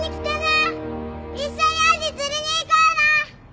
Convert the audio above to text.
一緒にアジ釣りに行こうな！